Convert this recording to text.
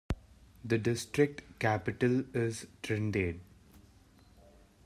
The district capital is Trindade.